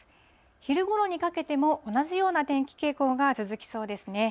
昼ごろにかけても、同じような天気傾向が続きそうですね。